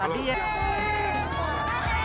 masih belum selesai juga